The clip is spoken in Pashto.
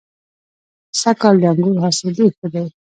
سږ کال د انګورو حاصل ډېر ښه دی.